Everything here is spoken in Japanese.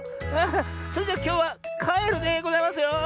それじゃきょうはかえるでございますよ。